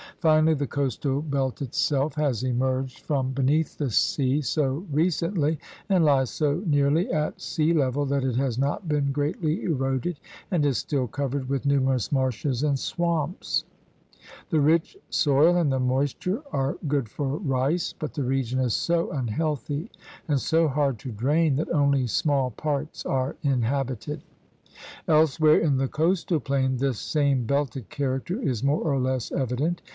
Finally the coastal belt itself has emerged from 70 THE RED MAN'S CONTINENT beneath the sea so recently and Hes so nearly at sea level that it has not been greatly eroded, and is still covered with numerous marshes and swamps. The rich soil and the moisture are good for rice, but the region is so unhealthy and so hard to drain that only small parts are inhabited. Everywhere in the coastal plain this same belted character is more or less evident.